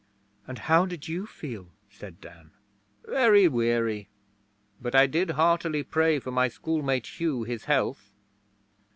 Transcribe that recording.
'And how did you feel?' said Dan. 'Very weary; but I did heartily pray for my schoolmate Hugh his health.